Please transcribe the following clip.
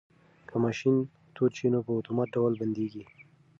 که ماشین تود شي نو په اتومات ډول بندیږي.